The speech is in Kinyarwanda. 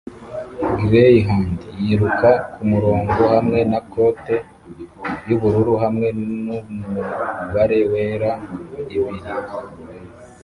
Greyhound yiruka kumurongo hamwe na kote yubururu hamwe numubare wera ibiri